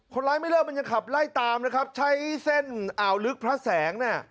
ไม่เลิกมันยังขับไล่ตามนะครับใช้เส้นอ่าวลึกพระแสงเนี่ย